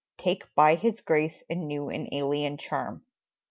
Take by his grace a new and alien charm.